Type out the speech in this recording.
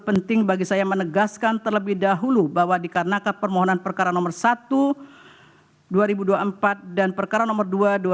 penting bagi saya menegaskan terlebih dahulu bahwa dikarenakan permohonan perkara nomor satu dua ribu dua puluh empat dan perkara nomor dua dua ribu dua puluh